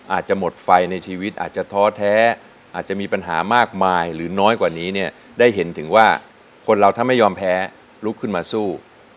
อาจจะหมดไฟในชีวิตอาจจะท้อแท้อาจจะมีปัญหามากมายหรือน้อยกว่านี้เนี่ยได้เห็นถึงว่าคนเราถ้าไม่ยอมแพ้ลุกขึ้นมาสู้